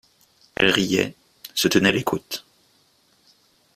Elle riait, se tenait les côtes.